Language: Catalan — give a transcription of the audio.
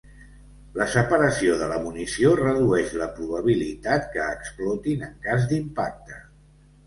La separació de la munició redueix la probabilitat que explotin en cas d'impacte.